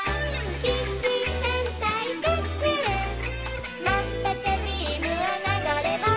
「キッチン戦隊クックルン」「まんぷくビームは流れ星」